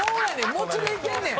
「もち」でいけんねん！